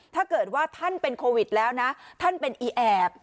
ถ้าเกิดว่าท่านเป็นโควิดแล้วนะท่านเป็นอีแอบ